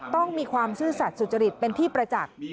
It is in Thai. ต้องมีความซื่อสัตว์สุจริตเป็นที่ประจักษ์